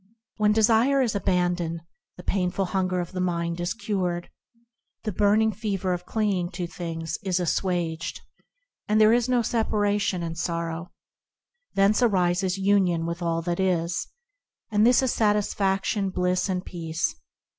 When desire is abandoned, the painful hunger of the mind is cured, The burning fever of clinging to things is assuaged, And there is no separation and sorrow : Thence arises union with all that is, And this is satisfaction, bliss, and peace.